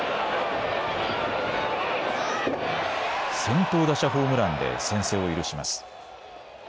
先頭打者ホームランで先制を許します。